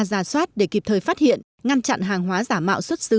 giả soát để kịp thời phát hiện ngăn chặn hàng hóa giả mạo xuất xứ